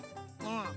うん。